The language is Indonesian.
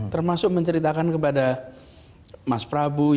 termasuk menceritakan kepada mas prabu